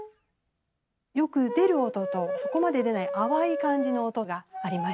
よく出る音とそこまで出ない淡い感じの音がありました。